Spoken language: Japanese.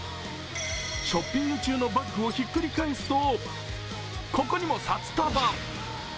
ショッピング中のバッグをひっくり返すと、ここにも札束。